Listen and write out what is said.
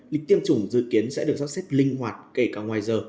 lịch tiêm chủng dự kiến sẽ được giác xét linh hoạt kể cả ngoài giờ